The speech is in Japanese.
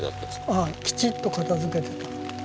ああきちっと片づけてた。